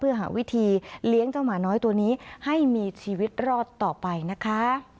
เพื่อหาวิธีเลี้ยงเจ้าหมาน้อยตัวนี้ให้มีชีวิตรอดต่อไปนะคะ